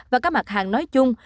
và các mặt hàng nói chung